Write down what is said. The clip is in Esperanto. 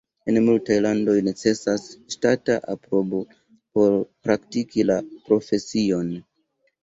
En multaj landoj necesas ŝtata aprobo por praktiki la profesion.